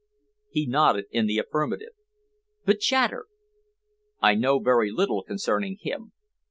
He nodded in the affirmative. "But Chater?" "I know very little concerning him.